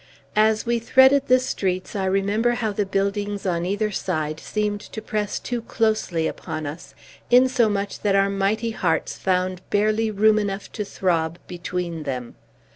As we threaded the streets, I remember how the buildings on either side seemed to press too closely upon us, insomuch that our mighty hearts found barely room enough to throb between them.